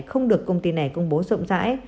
không được công ty này công bố rộng rãi